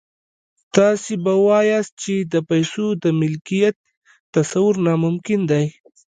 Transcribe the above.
تاسې به واياست چې د پيسو د ملکيت تصور ناممکن دی.